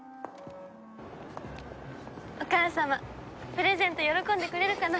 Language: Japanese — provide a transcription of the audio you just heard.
お母様プレゼント喜んでくれるかな？